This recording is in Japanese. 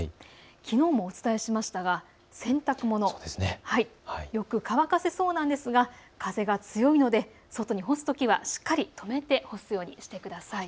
きのうもお伝えしましたが洗濯物、よく乾かせそうなんですが、風が強いので外に干すときはしっかり留めて干すようにしてください。